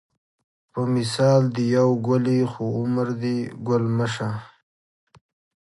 په مثال دې یو ګل یې خو عمر دې ګل مه شه